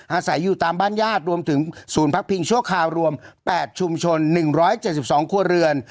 อาศัยอยู่ตามบ้านญาติรวมถึงศูนย์พักพิงชั่วข่าวรวมแปดชุมชนหนึ่งร้อยเจ็บสิบสองครัวเรือน